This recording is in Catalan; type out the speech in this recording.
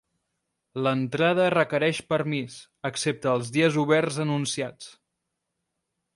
L'entrada requereix permís, excepte els dies oberts anunciats.